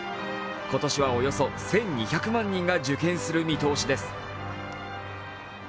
今年はおよそ１２００万人が受験する見通しです。